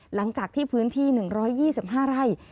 หลังจากที่พื้นที่๑๒๕ไร่